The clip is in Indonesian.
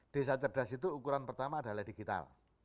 desa cerdas itu ukuran pertama adalah digital